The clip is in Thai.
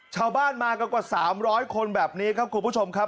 ชาวบ้านมากันกว่า๓๐๐คนแบบนี้ครับคุณผู้ชมครับ